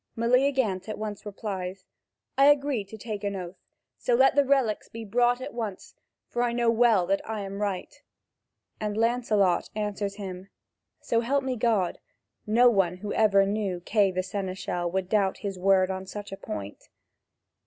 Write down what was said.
Meleagant at once replies: "I agree to take an oath; so let the relics be brought at once, for I know well that I am right." And Lancelot answers him: "So help me God, no one who ever knew Kay the seneschal would doubt his word on such a point."